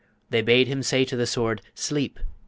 They bade him say to the Sword, 'Sleep!'